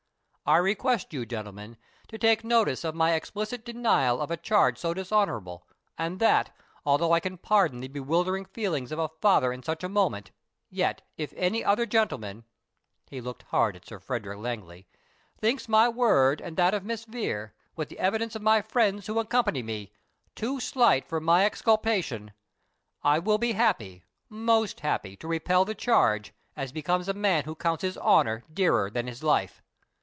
I request you, gentlemen, to take notice of my explicit denial of a charge so dishonourable; and that, although I can pardon the bewildering feelings of a father in such a moment, yet, if any other gentleman," (he looked hard at Sir Frederick Langley) "thinks my word and that of Miss Vere, with the evidence of my friends who accompany me, too slight for my exculpation, I will be happy most happy to repel the charge, as becomes a man who counts his honour dearer than his life."